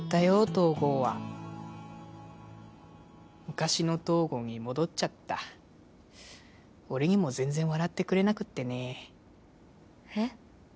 東郷は昔の東郷に戻っちゃった俺にも全然笑ってくれなくってねえっ？